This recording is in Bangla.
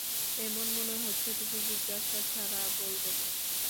এমন মনে হচ্ছে, তুমি জিজ্ঞাসা ছাড়া বলবে না।